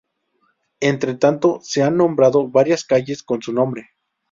Entre tanto, se han nombrado varias calles con su nombre.